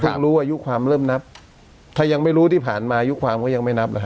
รู้อายุความเริ่มนับถ้ายังไม่รู้ที่ผ่านมาอายุความก็ยังไม่นับแล้วฮ